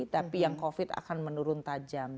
tapi yang covid akan menurun tajam